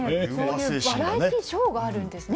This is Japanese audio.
バラエティーショーがあるんですね。